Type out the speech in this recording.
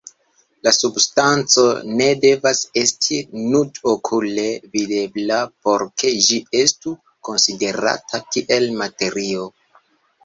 Substanco ne devas esti nud-okule videbla por ke ĝi estu konsiderata kiel materio.